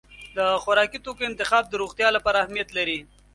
د خوراکي توکو انتخاب د روغتیا لپاره اهمیت لري.